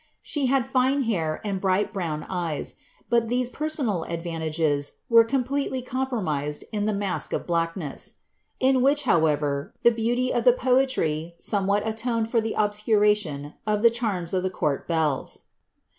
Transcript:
She had fine hair, and bright brown eyes; but these personal ttdvantaffes were completely compromised in the masque of Blackness,^' in which, however, the beauty of the poetry somewhat atoned for the obacuration of the charms of the court belles.